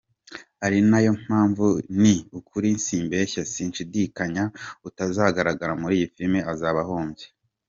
Ari nayo mpamvu, ni ukuri simbeshya, sinshidikanya, utazagaragara muri iyi filime azaba ahombye.